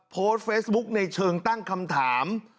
โพสต์เฟซบุ๊คในเชิงตั้งคำถาม